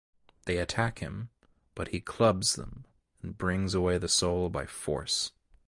They attack him, but he clubs them and brings away the soul by force.